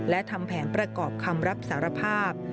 และทำแผนประกอบคำรับสารภาพ